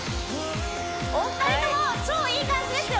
お二人とも超いい感じですよ